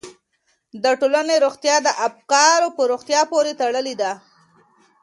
د ټولنې روغتیا د افکارو په روغتیا پورې تړلې ده.